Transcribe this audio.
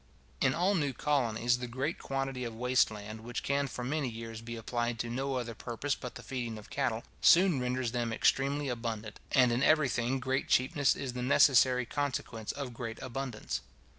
In all new colonies, the great quantity of waste land, which can for many years be applied to no other purpose but the feeding of cattle, soon renders them extremely abundant; and in every thing great cheapness is the necessary consequence of great abundance.